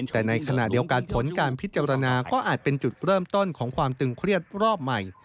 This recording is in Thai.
แต่ในขณะเดียวกันผลการพิจารณาก็อาจเป็นจุดเริ่มต้นของความตึงเครียดรอบใหม่